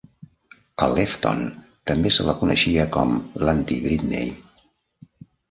A Lefton també se la coneixia com l'antiBritney.